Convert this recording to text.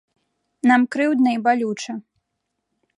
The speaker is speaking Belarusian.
Нам крыўдна і балюча.